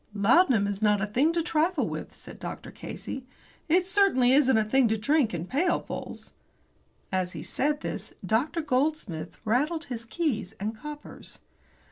"Laudanum is not a thing to trifle with," said Dr. Casey. "It certainly isn't a thing to drink in pailfuls." As he said this, Dr. Goldsmith rattled his keys and coppers.